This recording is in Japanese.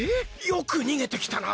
よくにげてきたな。